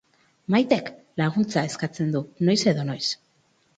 Maitek laguntza eskatzen du noiz edo noiz.